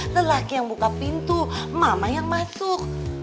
lelaki yang buka pintu mama yang masuk